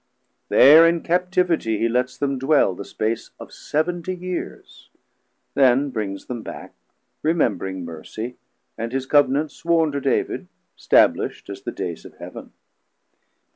There in captivitie he lets them dwell The space of seventie years, then brings them back, Remembring mercie, and his Cov'nant sworn To David, stablisht as the dayes of Heav'n.